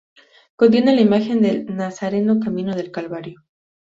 Contiene la imagen del Nazareno camino del Calvario.